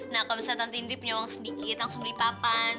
nah kalau misalnya tante indri punya uang sedikit langsung beli papan